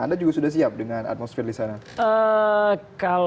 anda juga sudah siap dengan atmosfer di sana